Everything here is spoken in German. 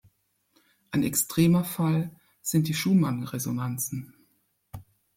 Ein extremer Fall sind die Schumann-Resonanzen.